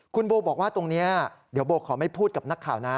คุณโบบอกว่าตรงนี้เดี๋ยวโบขอไม่พูดกับนักข่าวนะ